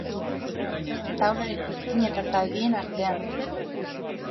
Taularen izkina eta zaldien artean.